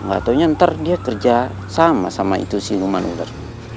gak taunya ntar dia kerja sama sama itu siluman udara